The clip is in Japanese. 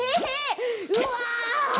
うわ！